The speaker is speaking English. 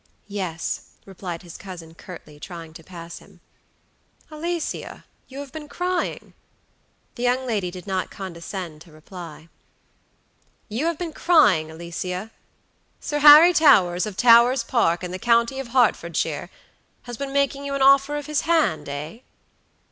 "Yes," replied his cousin curtly, trying to pass him. "Alicia, you have been crying." The young lady did not condescend to reply. "You have been crying, Alicia. Sir Harry Towers, of Towers Park, in the county of Herts, has been making you an offer of his hand, eh?"